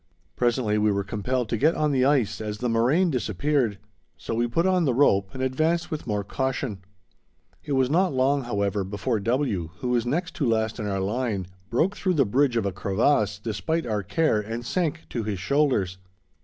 Presently we were compelled to get on the ice as the moraine disappeared; so we put on the rope, and advanced with more caution. It was not long, however, before W., who was next to last in our line, broke through the bridge of a crevasse, despite our care, and sank to his shoulders.